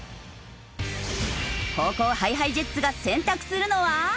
後攻ＨｉＨｉＪｅｔｓが選択するのは。